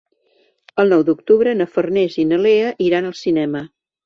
El nou d'octubre na Farners i na Lea iran al cinema.